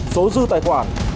số dư tài khoản